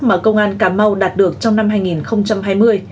mà công an cà mau đạt được trong năm hai nghìn hai mươi